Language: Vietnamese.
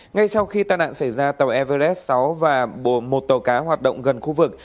ngay sau khi tai nạn xảy ra tàu everles sáu và một tàu cá hoạt động gần khu vực